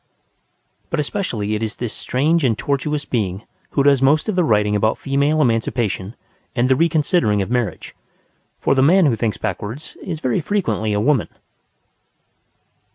But especially it is this strange and tortuous being who does most of the writing about female emancipation and the reconsidering of marriage. For the man who thinks backwards is very frequently a woman.